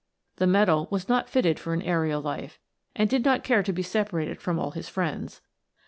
The metal was not fitted for an aerial life, and did not care to be separated from all his friends.